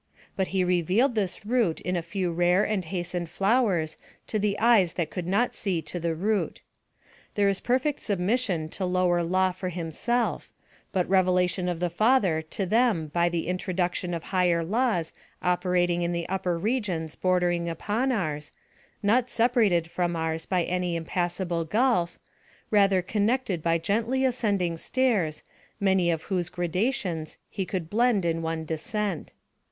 But he revealed this root in a few rare and hastened flowers to the eyes that could not see to the root. There is perfect submission to lower law for himself, but revelation of the Father to them by the introduction of higher laws operating in the upper regions bordering upon ours, not separated from ours by any impassable gulf rather connected by gently ascending stairs, many of whose gradations he could blend in one descent.